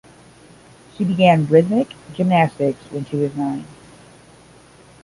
She began rhythmic gymnastics when she was nine.